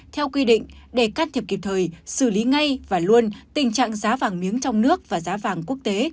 theo quy định để can thiệp kịp thời xử lý ngay và luôn tình trạng giá vàng miếng trong nước và giá vàng quốc tế